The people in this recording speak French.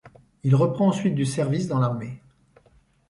Il reprend ensuite du service dans l'armée.